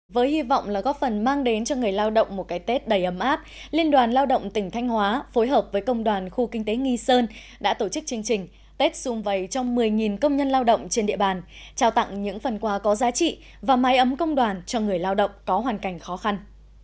với hy vọng là góp phần mang đến cho người lao động một cái tết đầy ấm áp liên đoàn lao động tỉnh thanh hóa phối hợp với công đoàn khu kinh tế nghi sơn đã tổ chức chương trình tết xung vầy cho một mươi công nhân lao động trên địa bàn trao tặng những phần quà có giá trị và mái ấm công đoàn cho người lao động có hoàn cảnh khó khăn